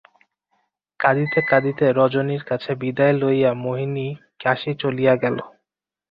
কাঁদিতে কাঁদিতে রজনীর কাছে বিদায় লইয়া মোহিনী কাশী চলিয়া গেল।